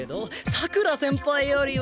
佐倉先輩よりは。